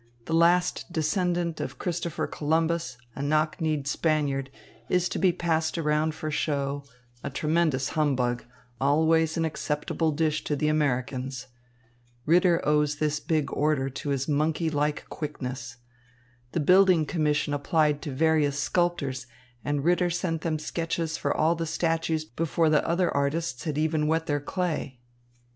The last descendant of Christopher Columbus, a knock kneed Spaniard, is to be passed around for show, a tremendous humbug, always an acceptable dish to the Americans. Ritter owes this big order to his monkey like quickness. The building commission applied to various sculptors, and Ritter sent them sketches for all the statues before the other artists had even wet their clay."